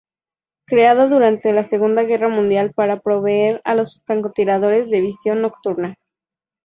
Creada durante la Segunda Guerra Mundial para proveer a los francotiradores de visión nocturna.